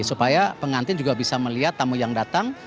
supaya pengantin juga bisa melihat tamu yang datang